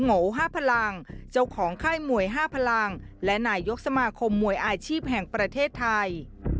โงห์ห้าพลังเจ้าของไข้มวยห้าพลังและหน่ายกสมาคมมวยอาชีพแห่งประเทศไทย